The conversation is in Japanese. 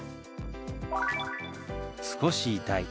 「少し痛い」。